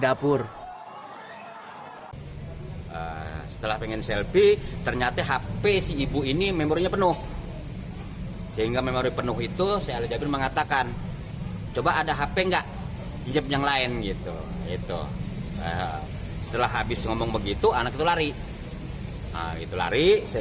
al fatihah pun naik ke panggung dan menikam ali jaber menggunakan pisau dapur